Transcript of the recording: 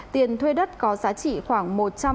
tiền thuê đất có giá trị khoảng